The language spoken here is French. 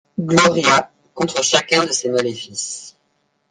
Gloria contre chacun de ses maléfices.